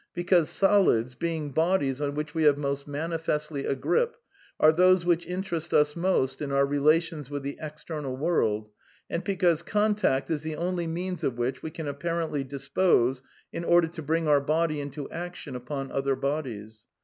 Be cause solids, being bodies on which we have most manifestly a grip are those which interest us most in our relations with the external world, and because contact is the only means of which we can apparently dispose in order to bring our body into action upon other bodies.